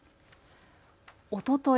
おととい